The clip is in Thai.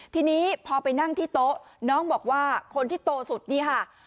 ทีนี้พอไปนั่งที่โต๊ะน้องบอกว่าคนที่โตสุดนี่ค่ะ